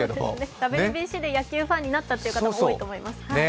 ＷＢＣで野球ファンになった方も多いと思います。